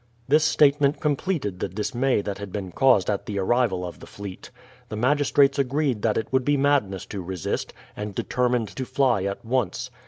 This statement completed the dismay that had been caused at the arrival of the fleet. The magistrates agreed that it would be madness to resist, and determined to fly at once.